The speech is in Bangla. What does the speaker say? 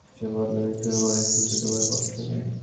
সে বদলাতে শুরু করে সূর্য ডোবার পর থেকে।